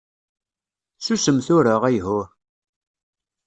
Susem tura, ayhuh!